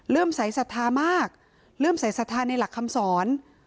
สายศรัทธามากเริ่มใส่ศรัทธาในหลักคำสอน